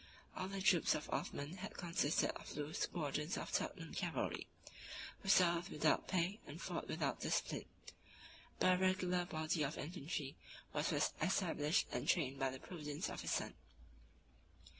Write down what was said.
All the troops of Othman had consisted of loose squadrons of Turkman cavalry; who served without pay and fought without discipline: but a regular body of infantry was first established and trained by the prudence of his son.